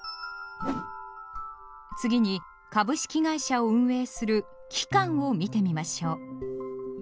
次に株式会社を運営する機関を見てみましょう。